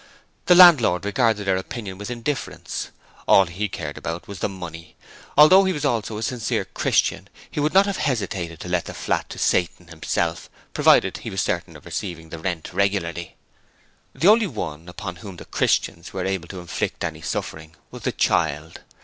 The landlord regarded their opinion with indifference. All he cared about was the money: although he also was a sincere Christian, he would not have hesitated to let the top flat to Satan himself, provided he was certain of receiving the rent regularly. The only one upon whom the Christians were able to inflict any suffering was the child.